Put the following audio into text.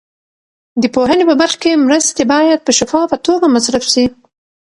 د پوهنې په برخه کې مرستې باید په شفافه توګه مصرف شي.